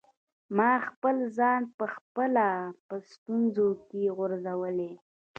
ما خپل ځان په خپله په ستونزو کي غورځولی.